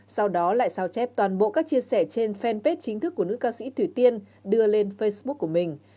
sau đó lại sao chép toàn bộ các chia sẻ trên fanpage chính thức của nữ ca sĩ thủy tiên đưa lên facebook của mình